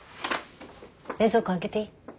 冷蔵庫開けていい？